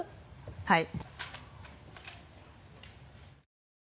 はい。